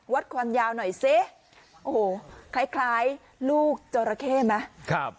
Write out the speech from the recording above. วัดความยาวหน่อยสิโอ้โหคล้ายคล้ายลูกจราเข้ไหมครับ